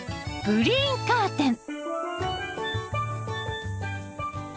グリーンカーテン。